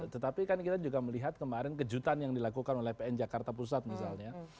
tetapi kan kita juga melihat kemarin kejutan yang dilakukan oleh pn jakarta pusat misalnya